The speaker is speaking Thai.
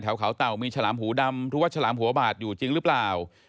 เขาเต่ามีฉลามหูดำรู้ว่าฉลามหัวบาดอยู่จริงหรือเปล่า